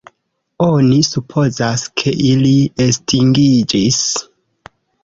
Oni supozas, ke ili estingiĝis.